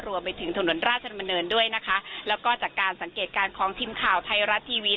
รวมไปถึงถนนราชดำเนินด้วยนะคะแล้วก็จากการสังเกตการณ์ของทีมข่าวไทยรัฐทีวี